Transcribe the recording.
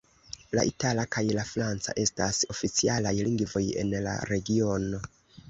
La itala kaj la franca estas oficialaj lingvoj en la regiono.